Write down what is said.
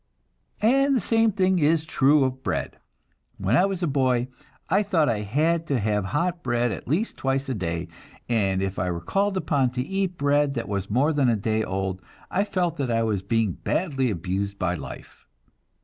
And the same thing is true of bread. When I was a boy, I thought I had to have hot bread at least twice a day, and if I were called upon to eat bread that was more than a day old, I felt that I was being badly abused by life.